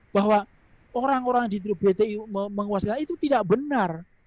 bahwa orang orang yang ditiru pki menguasai tanah itu tidak benar